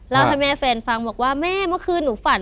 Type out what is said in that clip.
ให้แม่แฟนฟังบอกว่าแม่เมื่อคืนหนูฝัน